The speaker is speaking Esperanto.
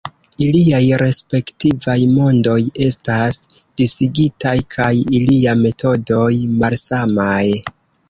Iliaj respektivaj mondoj estas disigitaj kaj ilia metodoj malsamaj.